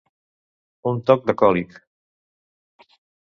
Un toc de còlic.